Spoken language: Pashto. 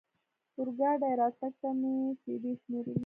اورګاډي راتګ ته مې شېبې شمېرلې.